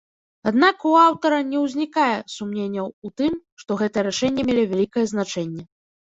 Аднак у аўтара не ўзнікае сумненняў у тым, што гэтыя рашэнні мелі вялікае значэнне.